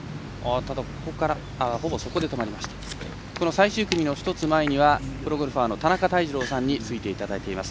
最終組の１つ前にはプロゴルファーの田中泰二郎さんについていただいています。